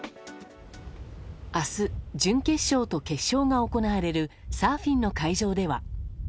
明日、準決勝と決勝が行われるサーフィンの会場では。